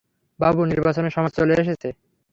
বাবু, নির্বাচনের সময় চলে এসেছে।